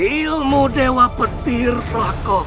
ilmu dewa petir telah kok